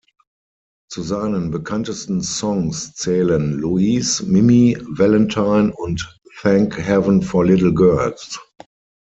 Zu seinen bekanntesten Songs zählen "Louise", "Mimi", "Valentine" und "Thank Heaven for Little Girls".